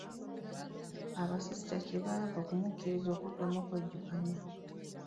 Basiisita kye baava bamukkiriza okuddamu okwejjukanya.